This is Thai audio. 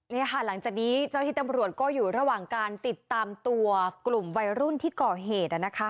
นี่ค่ะหลังจากนี้เจ้าที่ตำรวจก็อยู่ระหว่างการติดตามตัวกลุ่มวัยรุ่นที่ก่อเหตุ